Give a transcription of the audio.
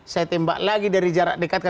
saya tembak lagi dari jarak dekat